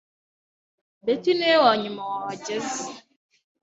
Betty niwe wanyuma wahageze.